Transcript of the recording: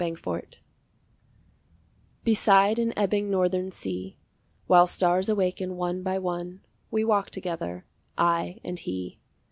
By the Sea Beside an ebbing northern sea While stars awaken one by one, We walk together, I and he.